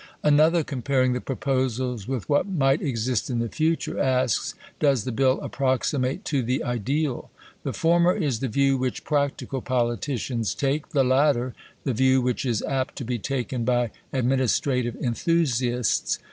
Another, comparing the proposals with what might exist in the future, asks, Does the Bill approximate to the ideal? The former is the view which "practical politicians" take; the latter, the view which is apt to be taken by administrative enthusiasts.